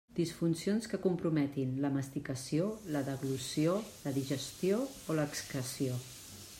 Disfuncions que comprometin la masticació, la deglució, la digestió o l'excreció.